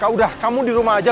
udah kamu di rumah aja